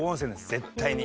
絶対に。